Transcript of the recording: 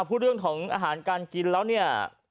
พูดเรื่องของอาหารการกินแล้วเนี่ย